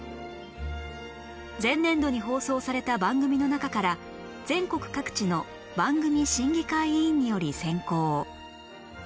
前年度に放送された番組の中から全国各地の番組審議会委員により選考